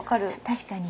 確かに。